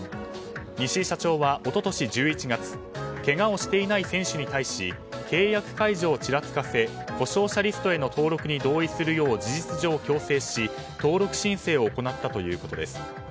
西井社長は一昨年１１月けがをしていない選手に対し契約解除をちらつかせ故障者リストの登録に同意するよう事実上強制し登録申請を行ったということです。